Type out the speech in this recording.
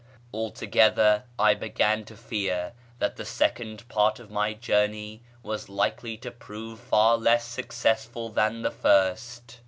Altogether I began to fear that the second part of my journey was likely to prove far less successful than the first.